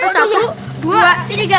satu dua tiga